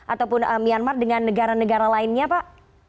ataupun myanmar dengan negara negara lainnya pak